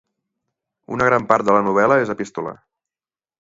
Una gran part de la novel·la és epistolar.